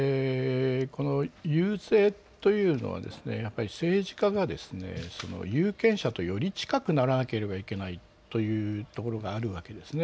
遊説というのはやはり政治家が有権者と、より近くならなければいけないというところがあるわけですね。